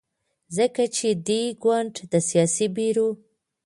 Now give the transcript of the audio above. ځکه چې دې ګوند د سیاسي بیرو